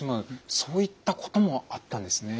そういったこともあったんですねえ。